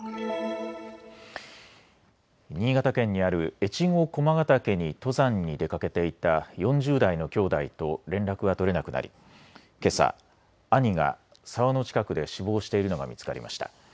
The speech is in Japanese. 新潟県にある越後駒ヶ岳に登山に出かけていた４０代の兄弟と連絡が取れなくなりけさ、兄が沢の近くで死亡しているのが見つかりました。